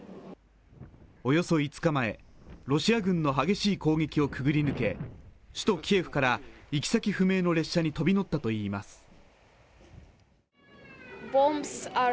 およそ５日前、ロシア軍の激しい攻撃をくぐり抜け首都キエフから行き先不明の列車に飛び乗ったといいます。